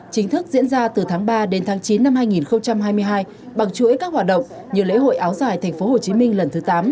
chính thức diễn ra từ tháng ba đến tháng chín năm hai nghìn hai mươi hai bằng chuỗi các hoạt động như lễ hội áo giải tp hcm lần thứ tám